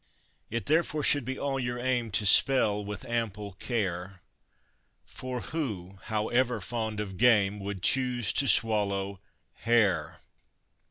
It therefore should be all your aim to spell with ample care; For who, however fond of game, would choose to swallow hair?